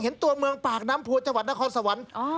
ตัวเมืองปากน้ำพัวจังหวัดนครสวรรค์